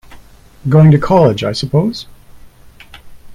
Going to college, I suppose?